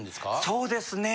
そうですね